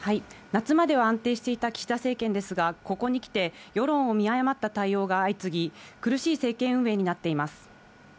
夏までは安定していた岸田政権ですが、ここにきて、世論を見誤った対応が相次ぎ、苦しい政権運営になっています。